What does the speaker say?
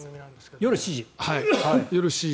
夜７時。